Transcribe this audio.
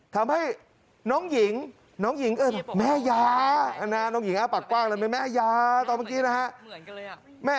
ทำให้น้องหญิงน้องหญิงเอิญแม่ยาน้องหญิงปากกว้างเลยไหมแม่ยาตอนเมื่อกี้นะฮะ